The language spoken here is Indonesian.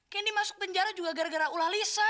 kini masuk penjara juga gara gara ulah lisa